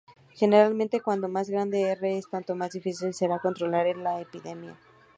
Generalmente, cuanto más grande "R" es tanto más difícil será controlar la epidemia.